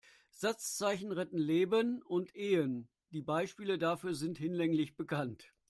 Satzzeichen retten Leben und Ehen, die Beispiele dafür sind hinlänglich bekannt.